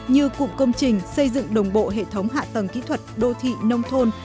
như cụm công trình xây dựng đồng bộ hệ thống hạ tầng kỹ thuật đô thị nông thôn